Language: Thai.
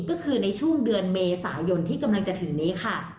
ก็คือในช่วงเดือนเมษายนที่กำลังจะถึงนี้ค่ะ